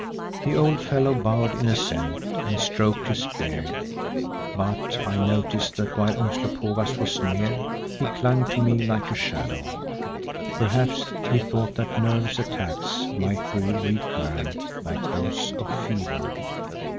The old fellow bowed in assent and stroked his beard, but I noticed that while Umslopogaas was near, he clung to me like a shadow. Perhaps he thought that nervous attacks might be recurrent, like those of fever.